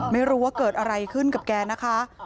ไม่รู้ว่าเกิดอะไรขึ้นกับแกนะคะ